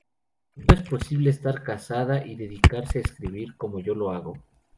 No es posible estar casada y dedicarse a escribir como yo lo hago.